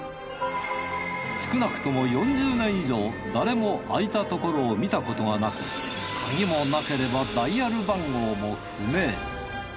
少なくとも４０年以上誰も開いたところを見たことがなく鍵もなければダイヤル番号も不明。